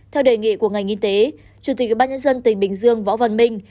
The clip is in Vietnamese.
theo đề nghị của ngành y tế chủ tịch ubnd tỉnh bình dương võ văn minh